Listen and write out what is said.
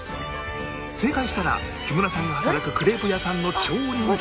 正解したら木村さんが働くクレープ屋さんの超人気メニュー